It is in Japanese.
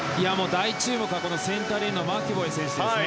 大注目はセンターレーンのマケボイ選手ですね。